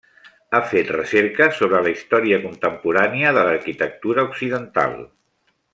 Ha fet recerca sobre la història contemporània de l'arquitectura occidental.